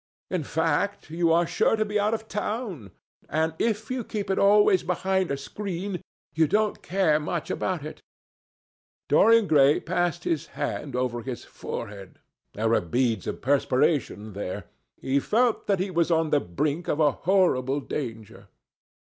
In fact, you are sure to be out of town. And if you keep it always behind a screen, you can't care much about it." Dorian Gray passed his hand over his forehead. There were beads of perspiration there. He felt that he was on the brink of a horrible danger.